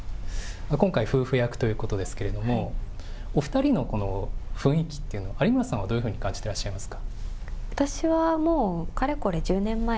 今回、夫婦役ということですけれども、お２人のこの雰囲気っていうの、有村さんはどういうふうに感じてらっしゃいますか。